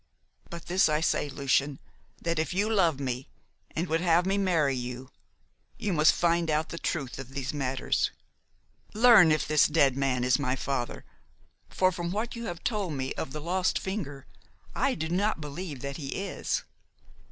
But this I say, Lucian, that if you love me, and would have me marry you, you must find out the truth of these matters. Learn if this dead man is my father for from what you have told me of the lost finger I do not believe that he is.